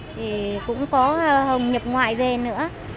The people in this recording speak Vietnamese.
thì cũng có hồng nhập ngoại về nữa